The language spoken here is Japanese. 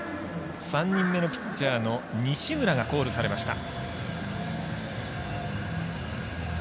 ３人目のピッチャーの西村がコールされました。